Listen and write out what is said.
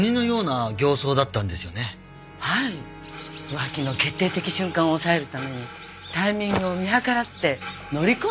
浮気の決定的瞬間を押さえるためにタイミングを見計らって乗り込んできたって感じでしたよ。